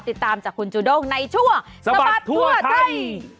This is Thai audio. ติดตามจากคุณจูด้งในชั่วสะบัดทั่วไทย